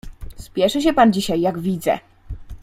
"Spieszy się pan dzisiaj, jak widzę."